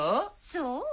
そう？